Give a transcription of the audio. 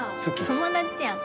友達やん。